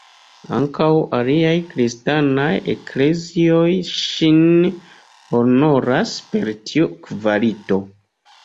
Ankaŭ aliaj kristanaj eklezioj ŝin honoras per tiu kvalito.